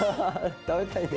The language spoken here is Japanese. たべたいね。